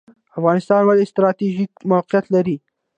افغانستان ولې ستراتیژیک موقعیت لري؟